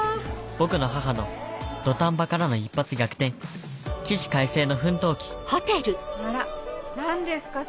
僕の母の土壇場からの一発逆転起死回生の奮闘記あら何ですか？